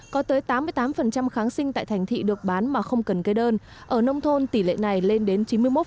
có tới tám mươi tám kháng sinh tại thành thị được bán mà không cần cây đơn ở nông thôn tỷ lệ này lên đến chín mươi một